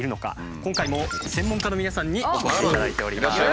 今回も専門家の皆さんにお越しいただいております。